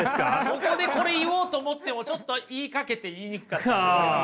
ここでこれ言おうと思ってもちょっと言いかけて言いにくかったんですけど。